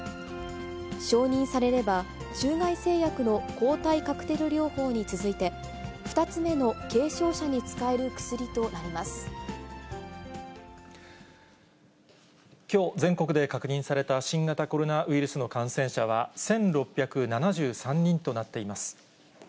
承認されれば、中外製薬の抗体カクテル療法に続いて、２つ目の軽症者に使える薬きょう、全国で確認された新型コロナウイルスの感染者は１６７３人となっています。